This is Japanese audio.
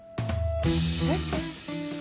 えっ？